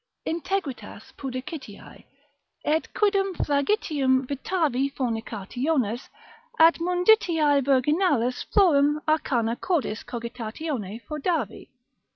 integritas pudicitiae. Et quidem flagitium vitavi fornicationis, at munditiae virginalis florem arcana cordis cogitatione foedavi.